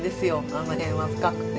あの辺は深くて。